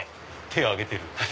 手挙げてる。